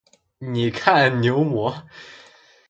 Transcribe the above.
你看牛魔？